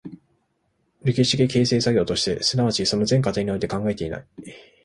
歴史的形成作用として、即ちその全過程において考えていない。